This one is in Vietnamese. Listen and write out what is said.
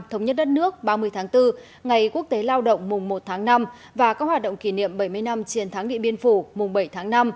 thống nhất đất nước ba mươi tháng bốn ngày quốc tế lao động mùng một tháng năm và các hoạt động kỷ niệm bảy mươi năm chiến thắng địa biên phủ mùng bảy tháng năm